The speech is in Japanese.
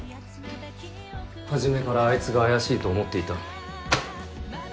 はじめからアイツが怪しいと思っていた。